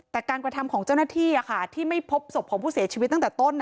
แต่การกระทำของเจ้าหน้าที่ที่ไม่พบศพของผู้เสียชีวิตตั้งแต่ต้น